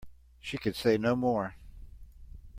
She could say no more.